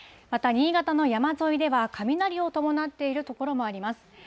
また新潟の山沿いでは雷を伴っている所もあります。